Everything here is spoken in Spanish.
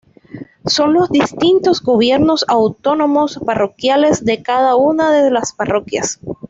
Son los distintos Gobiernos Autónomos Parroquiales de cada una de las parroquias.